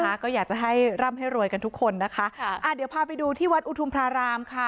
นะคะก็อยากจะให้ร่ำให้รวยกันทุกคนนะคะค่ะอ่าเดี๋ยวพาไปดูที่วัดอุทุมพระรามค่ะ